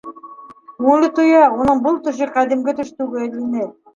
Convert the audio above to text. Күңеле тоя: уның был төшө ҡәҙимге төш түгел ине.